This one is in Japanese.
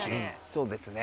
そうですね。